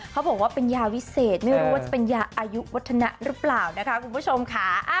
เขาบอกว่าเป็นยาวิเศษไม่รู้ว่าจะเป็นยาอายุวัฒนะหรือเปล่านะคะคุณผู้ชมค่ะ